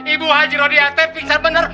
ibu haji rodi ate pingsan benar